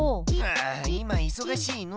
あいまいそがしいの！